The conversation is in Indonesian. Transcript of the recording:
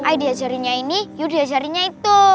i diajarinnya ini you diajarinnya itu